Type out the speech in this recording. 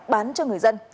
bán cho người dân